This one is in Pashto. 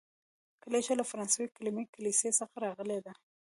کلیشه له فرانسوي کليمې کلیسې څخه راغلې ده.